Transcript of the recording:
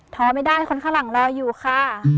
ท้อไม่ได้คนข้างหลังรออยู่ค่ะ